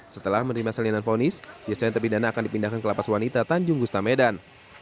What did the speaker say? setelah menerima salinan ponis biasanya terpidana akan dipindahkan ke lapas wanita tanjung gustamedan